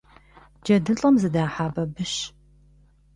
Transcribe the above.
ДжэдылӀэм зыдахьа бабыщ.